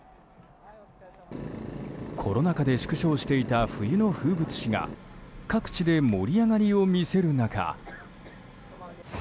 コロナ禍で縮小していた冬の風物詩が各地で盛り上がりを見せる中。